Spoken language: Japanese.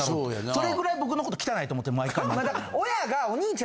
それぐらい僕のこと汚いと思ってる。